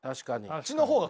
こっちの方が。